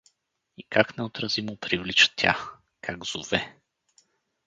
И как неотразимо привлича тя, как зове!